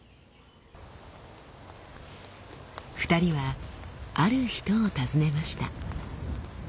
２人はある人を訪ねました。